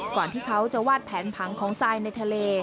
ก่อนที่เขาจะวาดแผนผังของทรายในทะเล